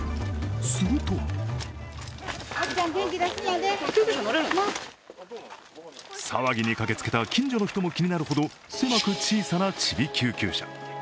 すると、騒ぎに駆けつけた近所の人も気になるほど狭く小さなちび救急車。